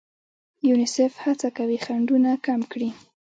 یونیسف هڅه کوي خنډونه کم کړي.